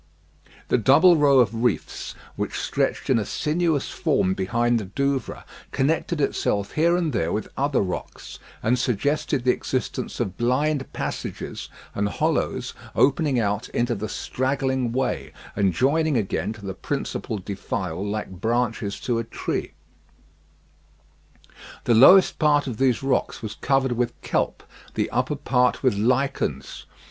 The double row of reefs, which stretched in a sinuous form behind the Douvres, connected itself here and there with other rocks, and suggested the existence of blind passages and hollows opening out into the straggling way, and joining again to the principal defile like branches to a trunk. The lower part of these rocks was covered with kelp, the upper part with lichens.